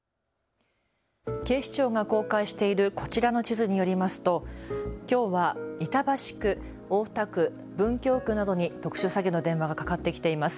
警視庁が公開しているこちらの地図によりますときょうは板橋区、大田区、文京区などに特殊詐欺の電話がかかってきています。